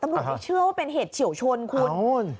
ตำรวจเขาเชื่อว่าเป็นเหตุเฉียวชนคุณ